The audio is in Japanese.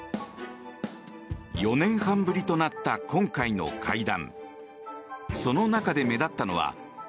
４年半ぶりとなった今回の会談。